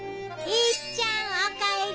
いっちゃんおかえり！